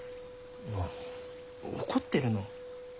怒ってるの？